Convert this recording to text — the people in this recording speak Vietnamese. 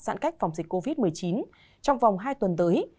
giãn cách phòng dịch covid một mươi chín trong vòng hai tuần tới